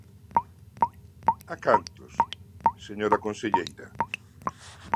¿A cantos, señora conselleira?